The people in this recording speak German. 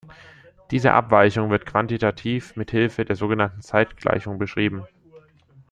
Diese Abweichung wird quantitativ mit Hilfe der sogenannten Zeitgleichung beschrieben.